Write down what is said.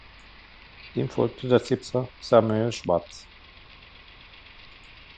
Ihm folgte der Zipser Samuel Schwartz.